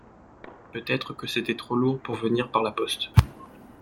Peut-être que c’était trop lourd pour venir par la poste.